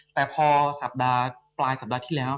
แต่พอสัปดาห์ปลายสัปดาห์ที่แล้ว